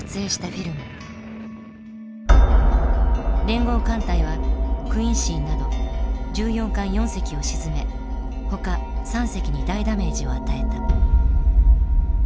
連合艦隊はクインシーなど巡洋艦四隻を沈めほか三隻に大ダメージを与えた。